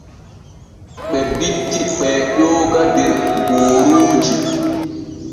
Ɓe bitti ɓee ƴooga der gooruuji.